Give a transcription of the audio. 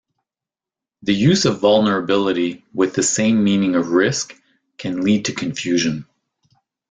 The use of vulnerability with the same meaning of risk can lead to confusion.